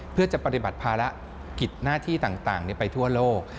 เพื่อจะปฏิบัติภารกิจหน้าที่ต่างไปทั่วโลก